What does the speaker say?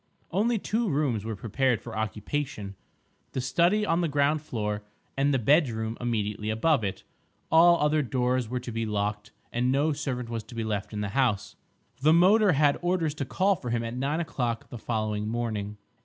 Only two rooms were prepared for occupation: the study on the ground floor and the bedroom immediately above it; all other doors were to be locked, and no servant was to be left in the house. The motor had orders to call for him at nine o'clock the following morning.